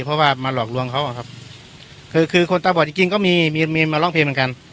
เพราะว่ามาหลอกลวงเขาอะครับคือคือคนตาบอดจริงจริงก็มีมีมาร้องเพลงเหมือนกัน